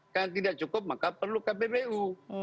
karena tidak cukup maka perlu kpbu